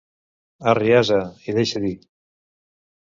Arri, ase, i deixa dir.